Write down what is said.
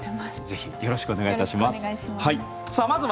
ぜひよろしくお願いいたします。